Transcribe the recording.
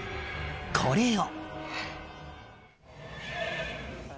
これを。